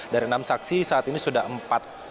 dari enam saksi saat ini sudah empat